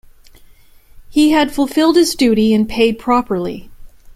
He had fulfilled his duty and paid properly.